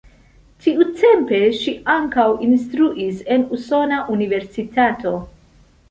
Tiutempe ŝi ankaŭ instruis en usona universitato.